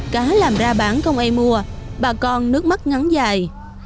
cá làm ra bán không ai mua bà con nước mắt ngắn dài